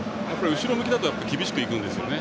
後ろ向きだと厳しく行くんですよね。